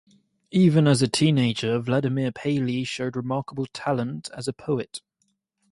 Even as a teenager Vladimir Paley showed remarkable talent as a poet.